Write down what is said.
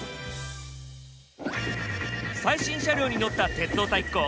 最新車両に乗った鉄オタ一行。